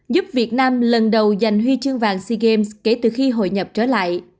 giúp việt nam lần đầu giành huy chương vàng sea games kể từ khi hội nhập trở lại